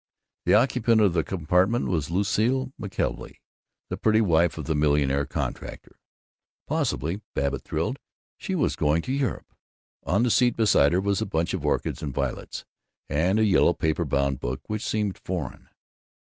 The occupant of the compartment was Lucile McKelvey, the pretty wife of the millionaire contractor. Possibly, Babbitt thrilled, she was going to Europe! On the seat beside her was a bunch of orchids and violets, and a yellow paper bound book which seemed foreign.